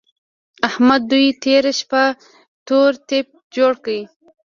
احمد دوی تېره شپه تور تيپ جوړ کړ.